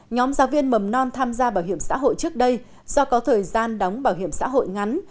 nhóm giáo viên mầm non tham gia bảo hiểm xã hội trước đây do có thời gian đóng bảo hiểm xã hội ngắn